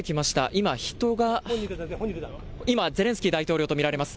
今、人が、今、ゼレンスキー大統領と見られます。